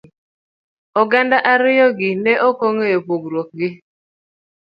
Oganda ariyo gi ne okeng'eyo pogruok gi.